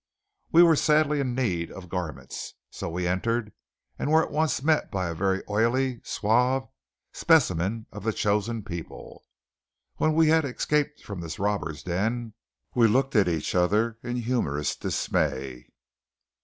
We were sadly in need of garments, so we entered, and were at once met by a very oily, suave specimen of the chosen people. When we had escaped from this robber's den we looked at each other in humorous dismay.